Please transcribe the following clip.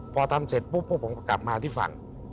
พอทำเสร็จปุ๊บพวกผมก็กลับมาที่ฝั่ง